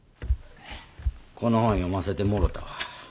この台本読ませてもろたわ。